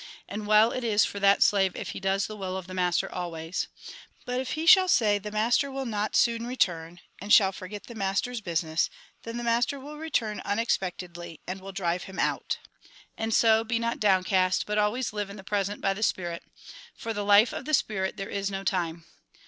And well it is for that slave if he does the will of the master always ! But if he shall say, ' The master will not soon return,' and shall forget the master's business, then the master will return unexpectedly, and will drive him out. " And so, be not downcast, but always live in the present by the spirit. For the life of the spirit there is no time.